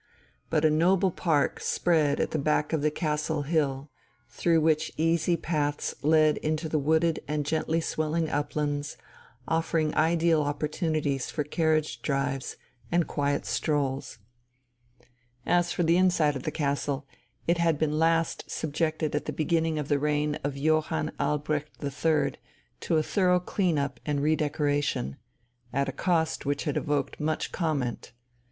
But a noble park spread at the back of the castle hill, through which easy paths led up into the wooded and gently swelling uplands, offering ideal opportunities for carriage drives and quiet strolls. As for the inside of the castle, it had been last subjected at the beginning of the reign of Johann Albrecht III to a thorough clean up and redecoration at a cost which had evoked much comment.